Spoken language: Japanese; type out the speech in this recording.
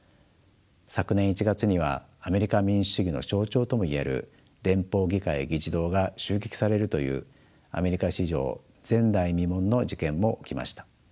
昨年１月にはアメリカ民主主義の象徴とも言える連邦議会議事堂が襲撃されるというアメリカ史上前代未聞の事件も起きました。